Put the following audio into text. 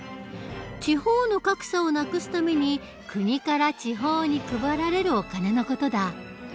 地方の格差をなくすために国から地方に配られるお金の事だ。